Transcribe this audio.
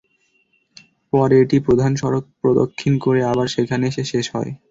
পরে এটি প্রধান সড়ক প্রদক্ষিণ করে আবার সেখানে এসে শেষ হয়।